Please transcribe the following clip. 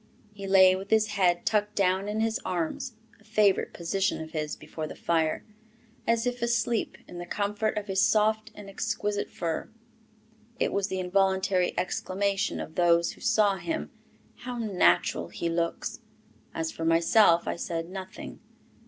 He lay with his head tucked down in his arms, a favourite position of his before the fire, as if asleep in the comfort of his soft and exquisite fur. It was the involuntary exclamation of those who saw him, "How natural he looks!" As for myself, I said nothing.